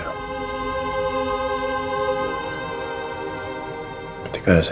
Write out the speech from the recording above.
dan sangat menyakitkan buat saya